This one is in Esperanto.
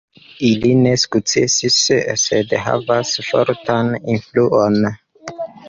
Ili ne sukcesis sed havas fortan influon.